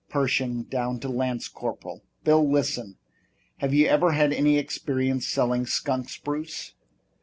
Pershing down to lance corporal. Bill, listen! Have you ever had any experience selling skunk spruce?"